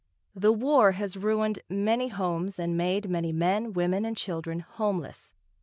The War has ruined many homes and made many men, women, and children homeless.